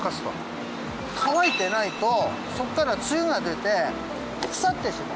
乾いてないとそこからつゆが出て腐ってしまう。